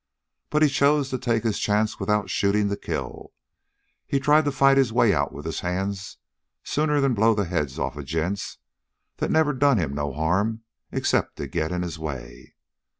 But he chose to take his chance without shooting to kill. He tried to fight his way out with his hands sooner'n blow the heads off of gents that never done him no harm except to get in his way.